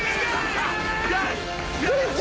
よし！